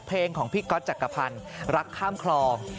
เพลงของพี่ก๊อตจักรพันธ์รักข้ามคลอง